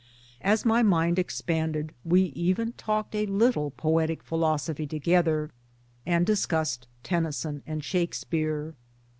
As my mind expanded we even talked a little poetic philosophy together, and discussed Tennyson and Shakespeare.